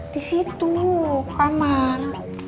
di situ aman